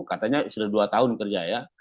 katanya sudah dua tahun kerja ya